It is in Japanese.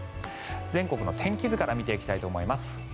全国の天気図から見ていきたいと思います。